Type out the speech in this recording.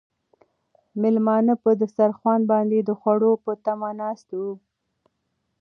مېلمانه په دسترخوان باندې د خوړو په تمه ناست وو.